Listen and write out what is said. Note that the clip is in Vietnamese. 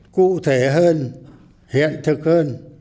cụ thể hơn hiện thực hơn